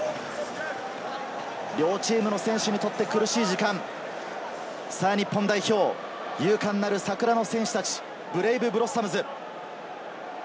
両チームの選手にとって苦しい時間、日本代表、勇敢なる桜の戦士たち、ブレイブ・ブロッサムズ。